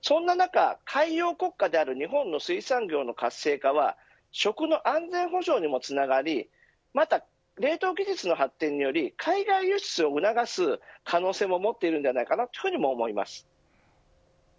そんな中、海洋国家である日本の水産業の活性化は食の安全保障にもつながり冷凍技術の発展により海外輸出を促す可能性も持っているのではないかと思います。